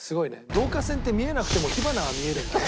導火線って見えなくても火花が見えるんだね。